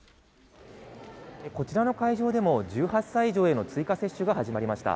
こちらの会場でも１８歳以上への追加接種が始まりました。